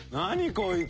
こいつ。